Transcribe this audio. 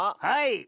はい。